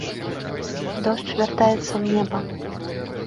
Дождж вяртаецца ў неба.